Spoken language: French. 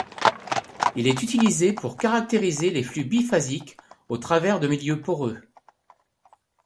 Il est utilisé pour caractériser les flux biphasiques au travers de milieu poreux.